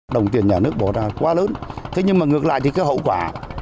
đồng tiền nhà nước bỏ ra quá lớn nhưng ngược lại thì có hậu quả